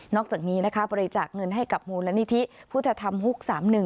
อกจากนี้นะคะบริจาคเงินให้กับมูลนิธิพุทธธรรมฮุก๓๑